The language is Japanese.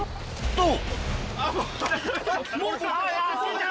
どう？